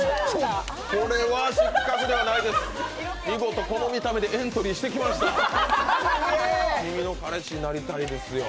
これは失格ではないです、よくこの見た目でエントリーしてきました、「君の彼氏になりたい」ですよ。